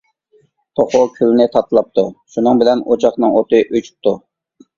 توخۇ كۈلنى تاتىلاپتۇ، شۇنىڭ بىلەن ئوچاقنىڭ ئوتى ئۆچۈپتۇ.